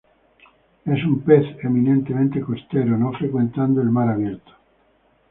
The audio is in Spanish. Es un pez eminentemente costero, no frecuentando el mar abierto.